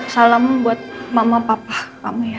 salam buat mama papa kamu ya